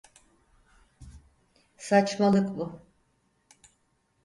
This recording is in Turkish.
Saçmalık bu.